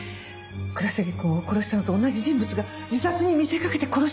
倉重くんを殺したのと同じ人物が自殺に見せかけて殺したのよ！